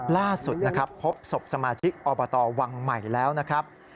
ล่าสุดนะครับพบศพสมาชิกอบตวังใหม่แล้วนะครับ